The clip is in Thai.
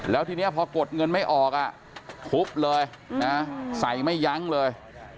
แล้วทีนี้พอกดเงินไม่ออกทุบเลยนะใส่ไม่ยั้งเลย